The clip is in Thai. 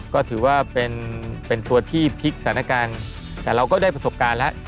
ก็ถือว่าเป็นตัวที่พลิกสถานการณ์แต่เราก็ได้ประสบการณ์แล้ว